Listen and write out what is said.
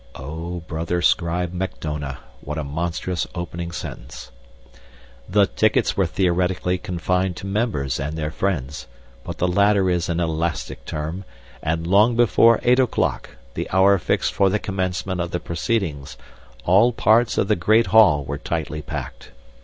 (Oh, brother scribe Macdona, what a monstrous opening sentence!) "The tickets were theoretically confined to members and their friends, but the latter is an elastic term, and long before eight o'clock, the hour fixed for the commencement of the proceedings, all parts of the Great Hall were tightly packed.